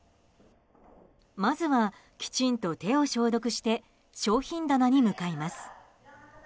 まずは、きちんと手を消毒して商品棚に向かいます。